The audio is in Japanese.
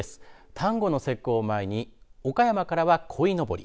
端午の節句を前に岡山からはこいのぼり